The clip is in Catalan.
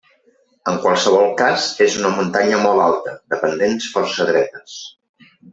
En qualsevol cas és una muntanya molt alta, de pendents força dretes.